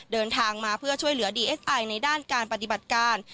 เดินทางมาเพื่อช่วยเหลือดีเอสไอในด้านการปฏิบัติการ